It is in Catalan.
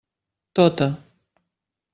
Tota.